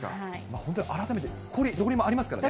本当に改めて、氷、どこにでもありますからね。